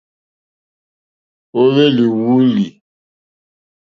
Ó hwélì wòòlì.